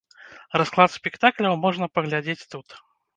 Расклад спектакляў можна паглядзець тут.